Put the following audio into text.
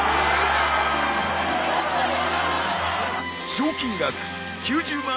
賞金額９０万